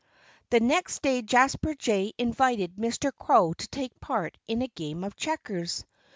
The next day Jasper Jay invited Mr. Crow to take part in a game of checkers.